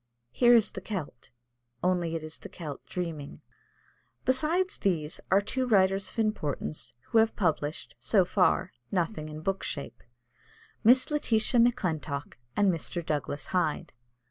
Here is the Celt, only it is the Celt dreaming. Besides these are two writers of importance, who have published, so far, nothing in book shape Miss Letitia Maclintock and Mr. Douglas Hyde.